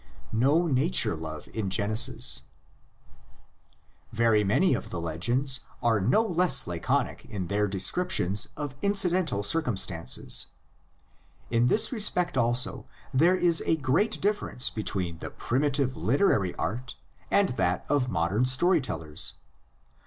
NO NATURE LOVE IN GENESIS. Very many of the legends are no less laconic in their descriptions of incidental circumstances. In this respect also there is a great difference between the primitive literary art and that of modern story tellers.